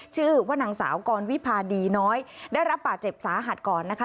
ชื่อว่านางสาวกรวิพาดีน้อยได้รับบาดเจ็บสาหัสก่อนนะคะ